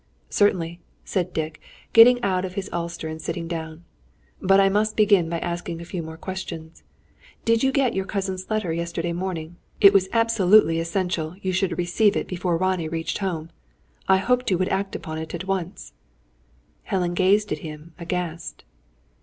"Certainly," said Dick, getting out of his ulster, and sitting down. "But I must begin by asking a few more questions. Did you get your cousin's letter yesterday morning? It was absolutely essential you should receive it before Ronnie reached home. I hoped you would act upon it at once." Helen gazed at him, aghast.